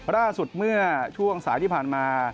ล่าสุดเมื่อช่วงสายที่ผ่านมา